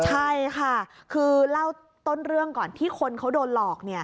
ใช่ค่ะคือเล่าต้นเรื่องก่อนที่คนเขาโดนหลอกเนี่ย